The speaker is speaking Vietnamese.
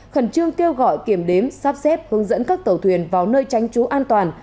khẩn trương kêu gọi kiểm đếm sắp xếp hướng dẫn các tàu thuyền vào nơi tránh trú an toàn